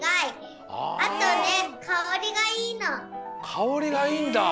かおりがいいんだ。